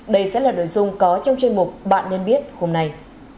đây sẽ là đối dung có trong chương trình mục bạn nên biết hôm nay